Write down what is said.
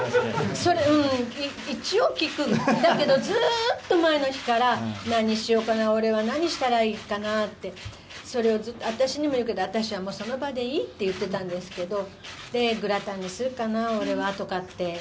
そうーん、一応聞く、だけど、ずーっと前の日から、何にしようかな、俺は何したらいいかなって、それをずっと、私にも言うけど、私はもう、その場でいいって言ってたんですけど、グラタンにするかな、俺はとかって。